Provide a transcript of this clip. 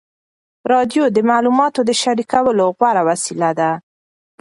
راډیو د معلوماتو د شریکولو غوره وسیله ده.